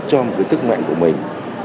trong cái sức mạnh của mình